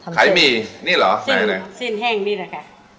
ขายหมี่นี่แหละค่ะขายหมี่นี่เหรอไหนไหนสิ้นแห้งนี่แหละค่ะ